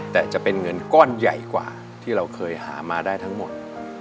แต่จะเป็นเงินก้อนใหญ่กว่าที่เราเคยหามาได้ทั้งหมด